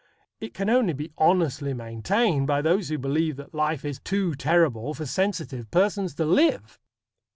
It can only be honestly maintained by those who believe that life is too terrible for sensitive persons to live!